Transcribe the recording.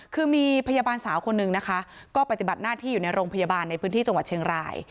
คือมีพยาบาลสาวคนนึงนะคะก็ปฏิบัติหน้าที่อยู่ในโรงพยาบาลในพื้นที่จังหวัดเชียงราย